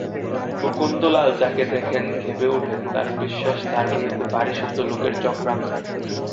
মুকুন্দলাল যাকে দেখেন খেপে ওঠেন, তাঁর বিশ্বাস তাঁর বিরুদ্ধে বাড়িসুদ্ধ লোকের চক্রান্ত।